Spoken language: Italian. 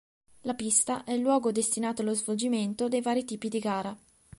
La pista è il luogo destinato allo svolgimento dei vari tipi di gara.